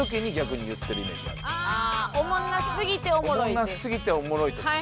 おもんなすぎておもろい時とか。